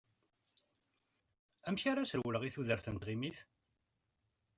Amek ara as-rewleɣ i tudert n tɣimit?